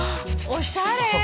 おしゃれ。